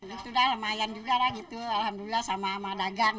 itu dah lumayan juga lah gitu alhamdulillah sama sama dagang